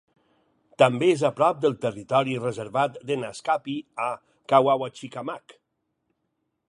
També és a prop del territori reservat de Naskapi a Kawawachikamach.